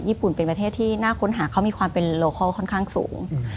ญุ่นเป็นประเทศที่น่าค้นหาเขามีความเป็นโลคอลค่อนข้างสูง